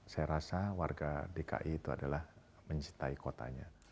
saya rasa warga dki itu adalah mencintai kotanya